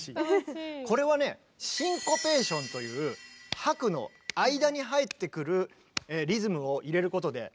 これはねシンコペーションという拍の間に入ってくるリズムを入れることで。